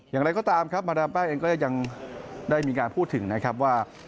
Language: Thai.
อย่างไรก็ตามครับมาดามแป้งเองก็ยังได้มีการพูดถึงนะครับว่า